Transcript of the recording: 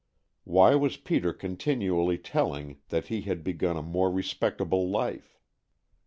Why was Peter continually telling that he had begun a more respectable life?